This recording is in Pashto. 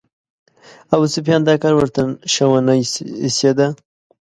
ابوسفیان دا کار ورته شه ونه ایسېده.